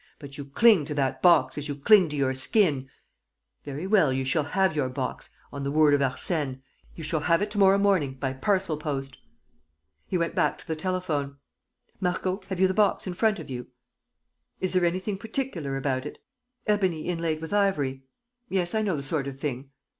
. But you cling to that box as you cling to your skin. ... Very well, you shall have your box ... on the word of Arsène ... you shall have it to morrow morning, by parcel post!" He went back to the telephone: "Marco, have you the box in front of you? ... Is there anything particular about it? ... Ebony inlaid with ivory. ... Yes, I know the sort of thing.